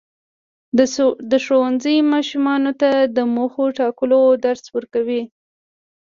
ښوونځی ماشومانو ته د موخو ټاکلو درس ورکوي.